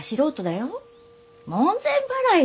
門前払いだよ。